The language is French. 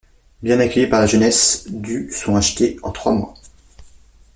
Bien accueillis par la jeunesse, du sont achetés en trois mois.